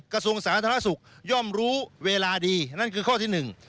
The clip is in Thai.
กระทรวงสาธารณสุขย่อมรู้เวลาดีนั่นคือข้อที่หนึ่ง